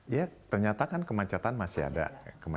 ya ternyata kan kemacetan masih ada